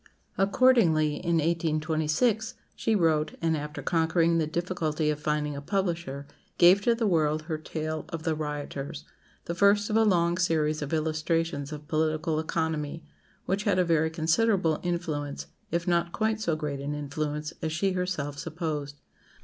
Accordingly, in 1826, she wrote, and after conquering the difficulty of finding a publisher, gave to the world her tale of "The Rioters," the first of a long series of illustrations of political economy, which had a very considerable influence, if not quite so great an influence, as she herself supposed.